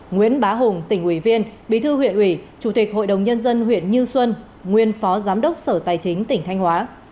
nguyễn bá hùng tỉnh ủy viên bí thư huyện ủy chủ tịch hội đồng nhân dân huyện như xuân nguyên phó giám đốc sở tài chính tỉnh thanh hóa